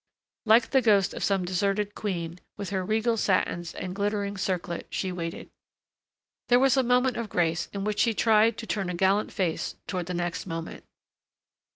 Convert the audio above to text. Like the ghost of some deserted queen, with her regal satins and glittering circlet, she waited. There was a moment of grace in which she tried, to turn a gallant face toward the next moment.